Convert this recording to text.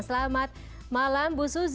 selamat malam bu suzy